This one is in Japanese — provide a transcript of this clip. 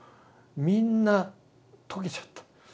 みんな解けちゃった。